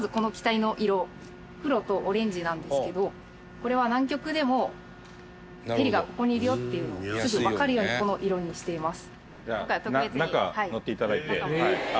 これは南極でもヘリがここにいるよっていうのをすぐわかるようにこの色にしています。